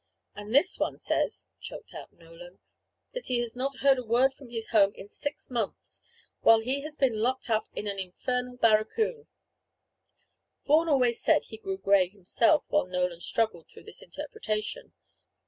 And this one says," choked out Nolan, "that he has not heard a word from his home in six months, while he has been locked up in an infernal barracoon." Vaughan always said he grew gray himself while Nolan struggled through this interpretation.